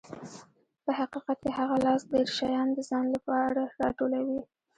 په حقیقت کې هغه لاس ډېر شیان د ځان لپاره راټولوي.